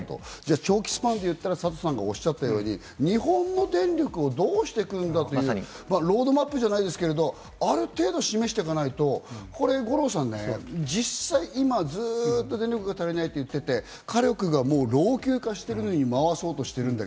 長期スパンでいったら、サトさんがおっしゃったように、日本の電力をどうしていくんだという、ロードマップじゃないですけどある程度、示していかないと、五郎さん、実際電力が足りないと言っていて、火力がもう老朽化しているのに回そうとしてる。